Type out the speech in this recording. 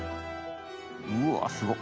うわすごっ。